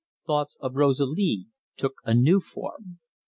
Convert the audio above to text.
Thoughts of Rosalie took a new form.